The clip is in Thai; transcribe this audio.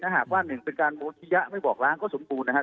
หากว่าเป็นการโมทิยะไม่บอกร้างก็สมบูรณ์นะฮะ